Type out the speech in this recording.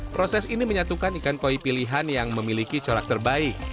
proses ini menyatukan ikan koi pilihan yang memiliki corak terbaik